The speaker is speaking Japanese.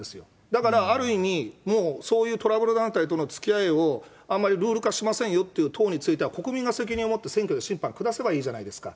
だから、ある意味、もうそういうトラブル団体とのつきあいをあまりルール化しませんよという党については国民が責任を持って選挙で審判下せばいいじゃないですか。